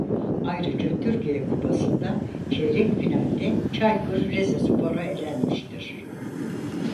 Ayrıca Türkiye Kupası'nda çeyrek finalde Çaykur Rizespor'a elenmiştir.